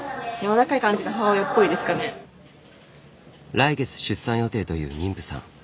来月出産予定という妊婦さん。